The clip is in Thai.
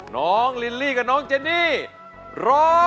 น้องลิลลี่กับน้องเจนี่ร้อง